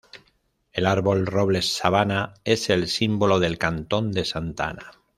El árbol Roble Sabana es el símbolo del cantón de Santa Ana.